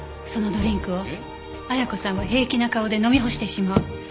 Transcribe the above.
そのドリンクを綾子さんは平気な顔で飲み干してしまう。